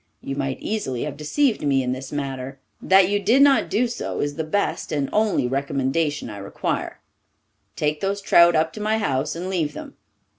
You might easily have deceived me in this matter. That you did not do so is the best and only recommendation I require. Take those trout up to my house and leave them.